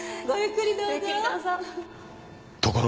ごゆっくりどうぞ。